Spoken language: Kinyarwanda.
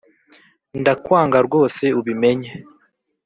ndakwanga rwose ubimenye